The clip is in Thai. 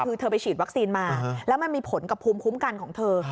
คือเธอไปฉีดวัคซีนมาแล้วมันมีผลกับภูมิคุ้มกันของเธอ